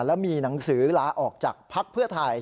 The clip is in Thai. แล้วมีหนังสือลาออกจากภักดิ์เพื่อไทย